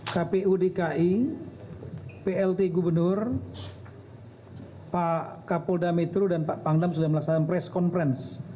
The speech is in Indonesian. kpu dki plt gubernur pak kapolda metro dan pak pangdam sudah melaksanakan press conference